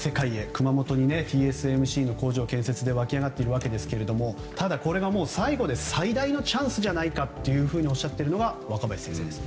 熊本にＴＳＭＣの工場建設で沸き上がっていますがただ、これが最後で最大のチャンスじゃないかとおっしゃっているのが若林先生です。